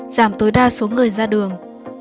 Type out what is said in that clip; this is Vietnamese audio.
giảm tối đa số người ra đường